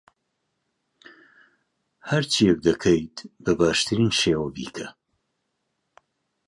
هەرچییەک دەکەیت، بە باشترین شێوە بیکە.